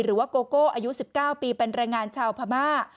หรือว่าโกโก้อายุ๑๙ปีเป็นรายงานชาวพม่า